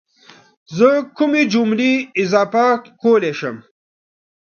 زه کومې جملې اضافه کولی شم؟